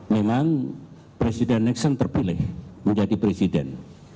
memang presiden nexon terpilih menjadi presiden